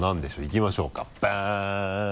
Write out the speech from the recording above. いきましょうかバン。